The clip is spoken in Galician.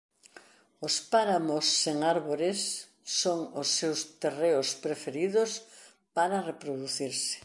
Os páramos sen árbores son os seus terreos preferidos para reproducirse.